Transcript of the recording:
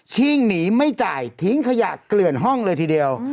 ชิ่งหนีไม่จ่ายทิ้งขยะเกลื่อนห้องเลยทีเดียว